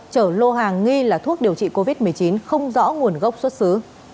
chở lô hàng nghi là thuốc điều trị covid một mươi chín không rõ nguồn gốc xuất xứ